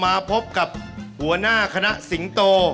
มาพบกับหัวหน้าคณะสิงโต